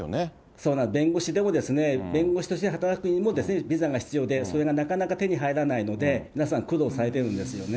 そうなんです、弁護士でも、弁護士として働くにはビザが必要で、それがなかなか手に入らないので、皆さん苦労されてるんですよね。